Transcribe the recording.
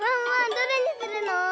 どれにするの？